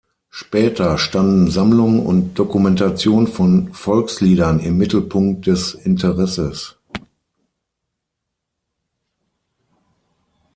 Später standen Sammlung und Dokumentation von Volksliedern im Mittelpunkt des Interesses.